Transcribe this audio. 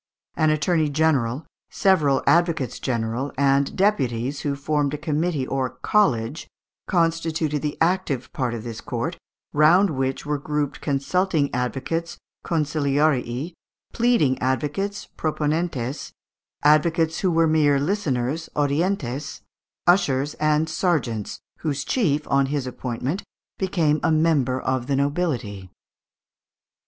An attorney general, several advocates general, and deputies, who formed a committee or college, constituted the active part of this court, round which were grouped consulting advocates (consiliarii), pleading advocates (proponentes), advocates who were mere listeners (audientes), ushers and serjeants, whose chief, on his appointment, became a member of the nobility.